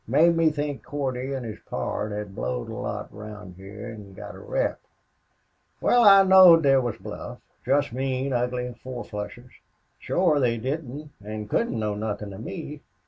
Made me think Cordy an' his pard had blowed a lot round heah an' got a rep. Wal, I knowed they was bluff. Jest mean, ugly four flushers. Shore they didn't an' couldn't know nothin' of me.